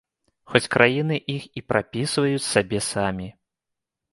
Хоць краіны іх і прапісваюць сабе самі.